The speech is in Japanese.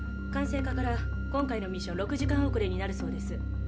管制課から今回のミッション６時間遅れになるそうです。